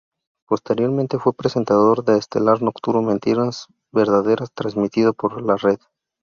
Posteriormente fue presentador del estelar nocturno "Mentiras verdaderas", transmitido por La Red.